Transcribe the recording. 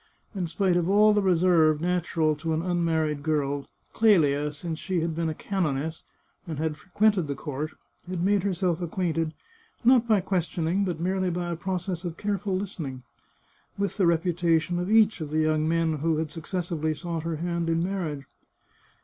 In spite of all the reserve natural to an unmarried girl, Clelia, since she had been a canoness, and had fre quented the court, had made herself acquainted — not by questioning, but merely by a process of careful listening — with the reputation of each of the young men who had suc cessively sought her hand in marriage.